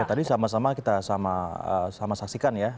tadi sama sama kita sama saksikan ya